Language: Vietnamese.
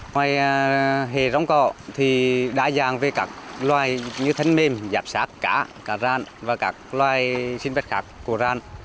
ngoài hề rong cỏ thì đa dạng về các loài như thân mềm giáp sát cá cá ran và các loài sinh vật khác của ran